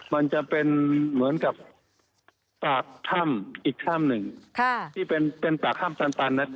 มันจะเป็นเหมือนกับปากถ้ำอีกถ้ำหนึ่งที่เป็นปากถ้ำตัน